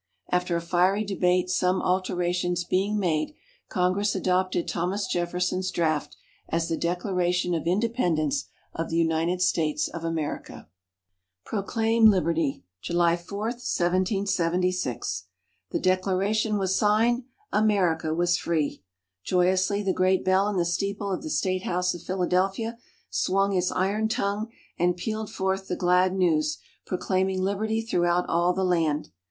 After a fiery debate, some alterations being made, Congress adopted Thomas Jefferson's draft, as the Declaration of Independence of the United States of America. PROCLAIM LIBERTY July 4, 1776 The Declaration was signed! America was free! Joyously the great bell in the steeple of the State House at Philadelphia, swung its iron tongue and pealed forth the glad news, proclaiming Liberty throughout all the land.